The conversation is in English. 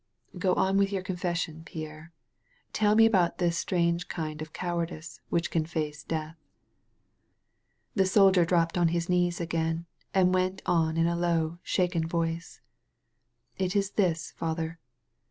"Go on with your confession, Pierre. Tell me about this strange kind of cowardice which can face death." The soldier dropped on his knees again, and went on in a low, shaken voice: "It is this. Father.